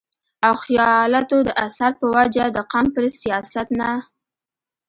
او خياالتو د اثر پۀ وجه د قامپرست سياست نه